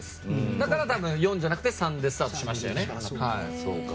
だから多分４じゃなくて３でスタートしましたよね。